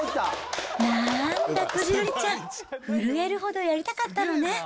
なーんだ、こじるりちゃん、震えるほどやりたかったのね。